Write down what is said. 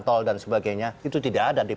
tol dan sebagainya itu tidak ada di